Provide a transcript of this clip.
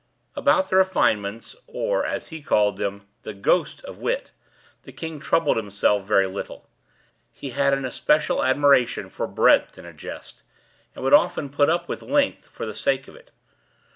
About the refinements, or, as he called them, the "ghost" of wit, the king troubled himself very little. He had an especial admiration for breadth in a jest, and would often put up with length, for the sake of it.